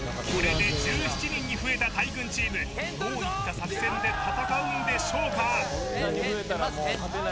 これで１７人に増えた大群チームどういった作戦で戦うんでしょうか？